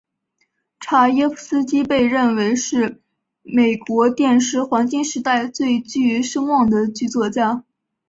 查耶夫斯基被认为是美国电视黄金时代最具声望的剧作家。